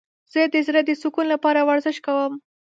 زه د زړه د سکون لپاره ورزش کوم.